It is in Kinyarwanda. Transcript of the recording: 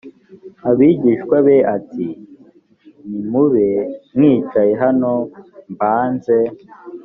abigishwa be ati nimube mwicaye hano mbanze